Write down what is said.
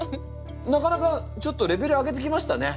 なかなかちょっとレベル上げてきましたね。